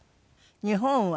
日本は？